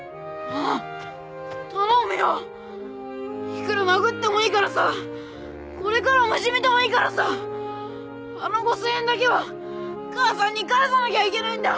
いくら殴ってもいいからさこれからもいじめてもいいからさあの５０００円だけは母さんに返さなきゃいけないんだ！